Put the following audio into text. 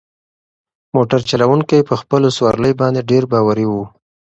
موټر چلونکی په خپلو سوارلۍ باندې ډېر باوري و.